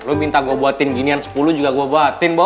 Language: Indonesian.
lo minta gue buatin ginian sepuluh juga gue buatin bo